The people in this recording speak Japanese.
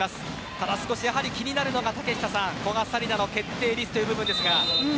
ただ気になるのが古賀紗理那の決定率という部分ですが。